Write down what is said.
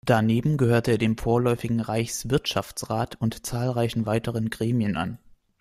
Daneben gehörte er dem Vorläufigen Reichswirtschaftsrat und zahlreichen weiteren Gremien an.